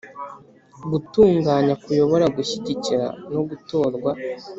gutunganya kuyobora gushyigikira no gutorwa